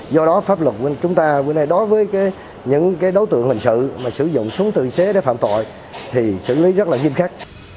do đó pháp luật của chúng ta đối với những đối tượng hình sự sử dụng súng tự chế để phạm tội thì xử lý rất là nghiêm khắc